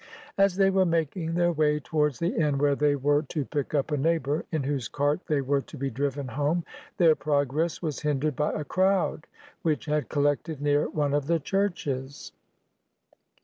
As they were making their way towards the inn where they were to pick up a neighbor, in whose cart they were to be driven home, their progress was hindered by a crowd, which had collected near one of the churches.